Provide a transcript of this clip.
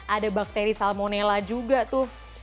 ada bakteri salmonella juga tuh